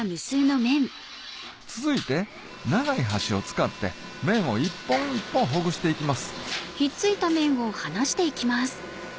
続いて長い箸を使って麺を一本一本ほぐしていきます